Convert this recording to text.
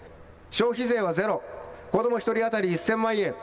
消費税は０、子ども１人当たり１０００万円